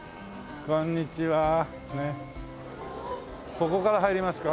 ここから入りますか？